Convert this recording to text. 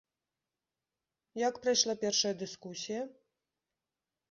Як прайшла першая дыскусія?